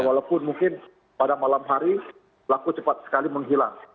walaupun mungkin pada malam hari pelaku cepat sekali menghilang